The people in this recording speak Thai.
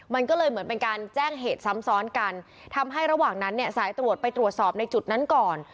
มันก็เลยเหมือนเป็นการแจ้งเหตุซ้ำซ้อนกันทำให้ระหว่างนั้นเนี่ยสายตรวจไปตรวจสอบในจุดนั้นก่อน